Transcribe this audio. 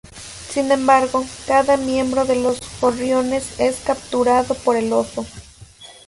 Sin embargo, cada miembro de los gorriones es capturado por el oso.